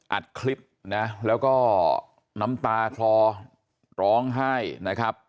อัดคลิปนะแล้วก็น้ำตาคลอร้องไห้นะครับ